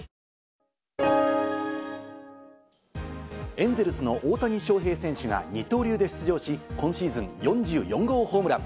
エンゼルスの大谷翔平選手が二刀流で出場し、今シーズン４４号ホームラン。